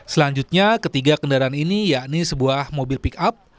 selanjutnya ketiga kendaraan ini yakni sebuah mobil pick up